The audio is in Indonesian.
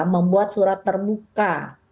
membuat surat terbuka